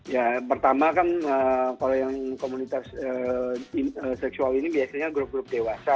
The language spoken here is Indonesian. ya pertama kan kalau yang komunitas seksual ini biasanya grup grup dewasa